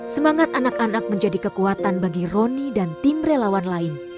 semangat anak anak menjadi kekuatan bagi roni dan tim relawan lain